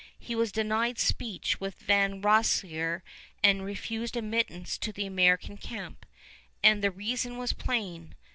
He was denied speech with Van Rensselaer and refused admittance to the American camp; and the reason was plain.